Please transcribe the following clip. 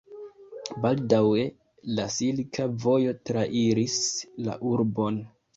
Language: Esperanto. Baldaŭe la silka vojo trairis la urbon.